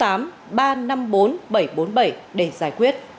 cảm ơn các bạn đã theo dõi